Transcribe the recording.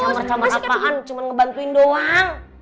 camer camer apaan cuma ngebantuin doang